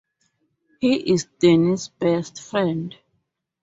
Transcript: He is Danny's best friend.